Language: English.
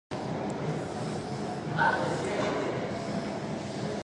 He was very close to city officials and earned three honorary doctorates.